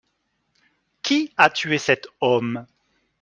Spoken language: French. Qui a tué cet homme?